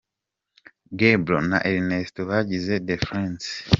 Gabro na Ernesto bagize The Friends.